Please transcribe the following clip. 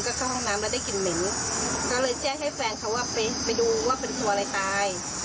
ก็เข้าห้องน้ำแล้วได้กลิ่นเหม็นก็เลยแจ้งให้แฟนเขาว่าไปไปดูว่าเป็นตัวอะไรตาย